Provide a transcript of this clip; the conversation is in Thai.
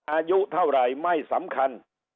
อายุเท่าไหร่ไม่สำคัญ